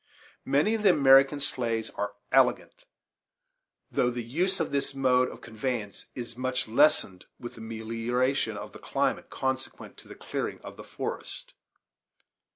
Many of the American sleighs are elegant though the use of this mode of conveyance is much lessened with the melioration of the climate consequent to the clearing of the forests.